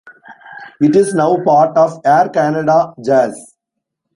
It is now part of Air Canada Jazz.